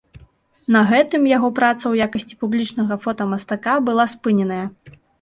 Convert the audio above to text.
На гэтым яго праца ў якасці публічнага фотамастака была спыненая.